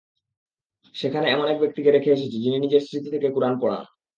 সেখানে এমন এক ব্যক্তিকে রেখে এসেছি যিনি নিজের স্মৃতি থেকে কুরআন পড়ান।